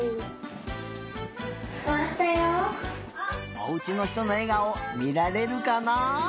おうちのひとのえがおみられるかな？